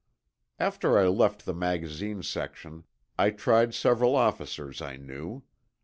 After I left the magazine section, I tried several officers I knew.